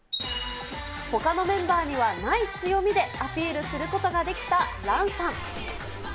ほかのメンバーにはない強みでアピールすることができたランさん。